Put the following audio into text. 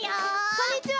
こんにちは。